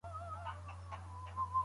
ایا دا اوبه د پخلي لپاره کارول کیږي؟